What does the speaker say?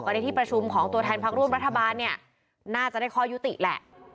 ก็ได้ที่ประชุมของตัวแทนภาคร่วมรัฐบาลน่าจะได้คอยุติแหละ